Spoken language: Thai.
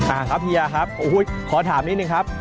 อ่าครับเฮียครับโอ้โหขอถามนิดนึงครับ